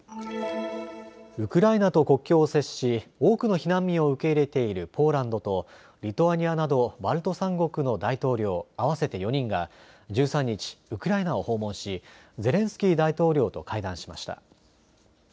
ウクライナと国境を接し、多くの避難民を受け入れているポーランドとリトアニアなどバルト３国の大統領合わせて４人が１３日、ウクライナを訪問しゼレンスキー大統領と会談しました。